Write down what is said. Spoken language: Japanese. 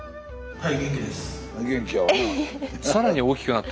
はい！